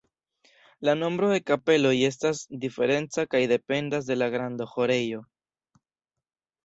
La nombro de kapeloj estas diferenca kaj dependas de la grando de la ĥorejo.